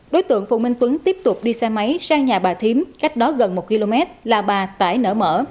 đối tượng phùng minh tuấn tiếp tục đi xe máy sang nhà bà thiếm cách đó gần một km là bà tải nở mở